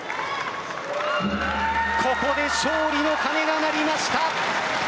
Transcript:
ここで勝利の鐘が鳴りました。